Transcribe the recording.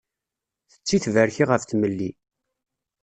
Tetti tberki ɣef tmelli.